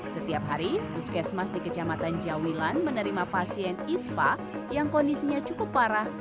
setiap hari buskesmas di kejamatan jauhilan menerima pasien ispa yang kondisinya cukup parah